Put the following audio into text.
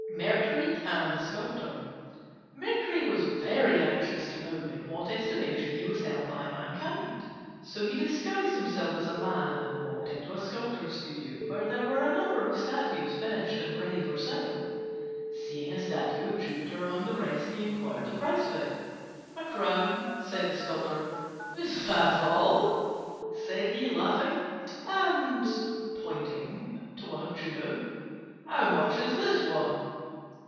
MERCURY AND THE SCULPTOR Mercury was very anxious to know in what estimation he was held by mankind; so he disguised himself as a man and walked into a Sculptor's studio, where there were a number of statues finished and ready for sale. Seeing a statue of Jupiter among the rest, he inquired the price of it. "A crown," said the Sculptor. "Is that all?" said he, laughing; "and" (pointing to one of Juno) "how much is that one?"